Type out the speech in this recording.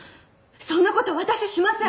そんな事私しません！